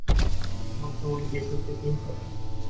তোমাকে ওই ডেটে যেতেই হবে।